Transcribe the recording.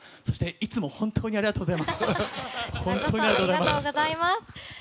そして、いつも本当にありがとうございます。